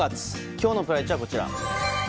今日のプライチはこちら。